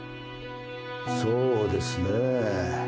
そうですねぇ。